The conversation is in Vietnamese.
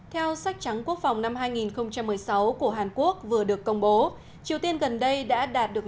theo sách trắng quốc phòng năm hai nghìn một mươi sáu của hàn quốc vừa được công bố triều tiên gần đây đã đạt được